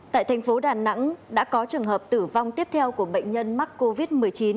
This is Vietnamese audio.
tại thành phố đà nẵng đã có trường hợp tử vong tiếp theo của bệnh nhân mắc covid một mươi chín